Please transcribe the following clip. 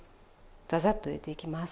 ザザッと入れていきます。